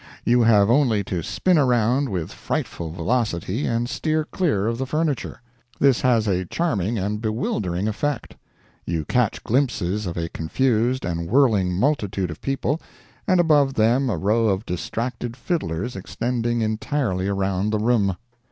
You have only to spin around with frightful velocity and steer clear of the furniture. This has a charming and bewildering effect. You catch glimpses of a confused and whirling multitude of people, and above them a row of distracted fiddlers extending entirely around the room.